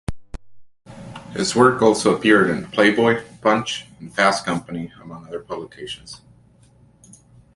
His work also appeared in "Playboy", "Punch" and "Fast Company", among other publications.